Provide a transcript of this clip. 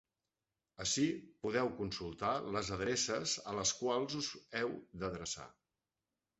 Ací podeu consultar les adreces a les quals us heu d’adreçar.